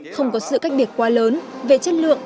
không có sự cách biệt quá lớn về chất lượng